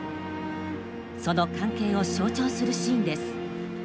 その関係を象徴するシーンです。